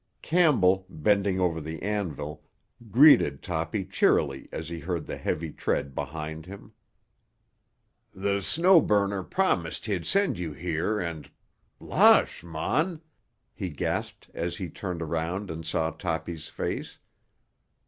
Campbell, bending over the anvil, greeted Toppy cheerily as he heard the heavy tread behind him. "The Snow Burner promised he'd send you here, and——Losh, mon!" he gasped as he turned around and saw Toppy's face.